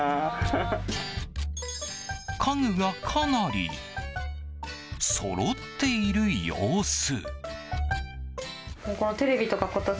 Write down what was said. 家具がかなりそろっている様子。